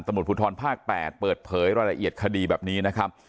ตำรวจภูทรภาค๘เปิดเผยรายละเอียดคดีแบบนี้นะครับ